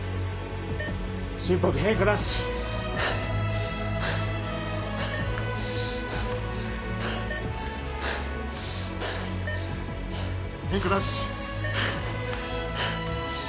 心拍変化なし変化なし